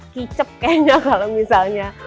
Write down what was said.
kicep kayaknya kalau misalnya